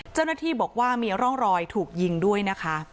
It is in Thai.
เจ้าหน้าที่บอกว่ามีร่องรอยถูกยิงด้วยนะคะ